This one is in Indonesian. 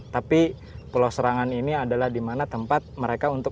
tapi pulau serangan ini adalah di mana tempat mereka untuk